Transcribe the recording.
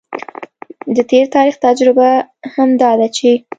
د تیر تاریخ تجربه هم دا ده چې